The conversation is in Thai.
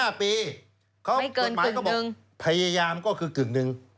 ไม่เกินกึ่งหนึ่งกฎหมายก็บอกพยายามก็คือกึ่งหนึ่ง